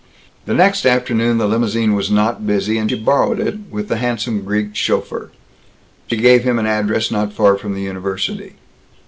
The next afternoon the limousine was not busy and she borrowed it, with the handsome Greek chauffeur. She gave him an address not far from the university.